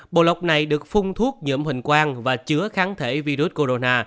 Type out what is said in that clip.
bộ lọc này được phung thuốc nhậm hình quang và chứa kháng thể virus corona